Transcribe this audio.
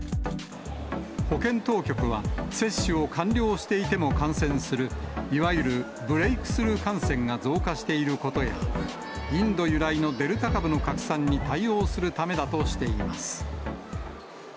保健当局は、接種を完了していても感染する、いわゆるブレークスルー感染が増加していることや、インド由来のデルタ株の拡散に対応するためだとしています。